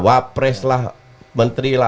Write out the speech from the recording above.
wapres lah menteri bumn